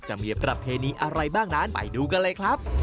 จะมีประเพณีอะไรบ้างนั้นไปดูกันเลยครับ